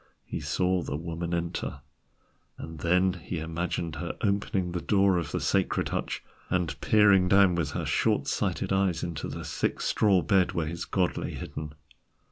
He saw the Woman enter, and then he imagined her opening the door of the sacred hutch and peering down with her short sighted eyes into the thick straw bed where his god lay hidden.